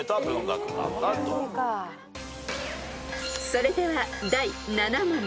［それでは第７問］